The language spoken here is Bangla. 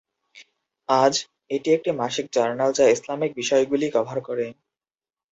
আজ, এটি একটি মাসিক জার্নাল যা ইসলামিক বিষয়গুলি কভার করে।